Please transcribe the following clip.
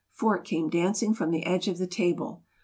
Fork came dancing from the edge of the table.